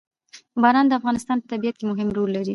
باران د افغانستان په طبیعت کې مهم رول لري.